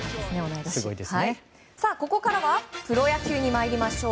ここからはプロ野球に参りましょう。